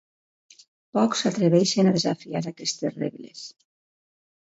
Pocs s'atreveixen a desafiar aquestes regles.